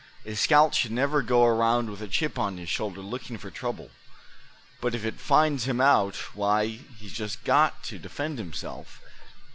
A scout should never go around with a chip on his shoulder looking for trouble; but if it finds him out, why, he's just got to defend himself.